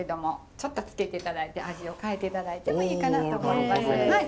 ちょっと付けて頂いて味を変えて頂いてもいいかなと思います。